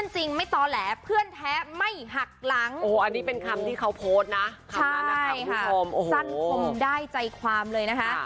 ซั่นกงได้ใจความเลยนะคะ